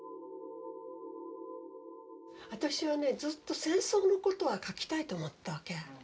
私はねずっと戦争のことは書きたいと思ってたわけ。